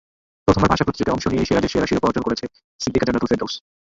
প্রথমবার ভাষা প্রতিযোগে অংশ নিয়েই সেরাদের সেরা শিরোপা অর্জন করেছে সিদ্দিকা জান্নাতুল ফেরদৌস।